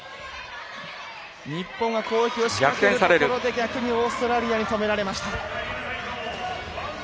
日本が攻撃を仕掛けるところで逆にオーストラリアに止められました。